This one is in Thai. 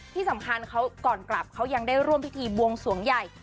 ที่สำคัญเขาก่อนกลับเขายังได้ร่วมพิธีบวงสวงใหญ่